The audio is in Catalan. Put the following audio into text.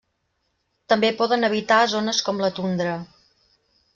També poden habitar zones com la tundra.